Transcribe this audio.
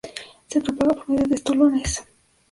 Se propaga por medio de estolones.